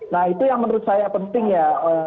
nah itu yang menurut saya penting ya